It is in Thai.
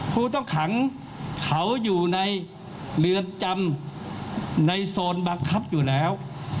ผู้ต้องขังเขาอยู่ในเรือนจำในโซนบังคับอยู่แล้ว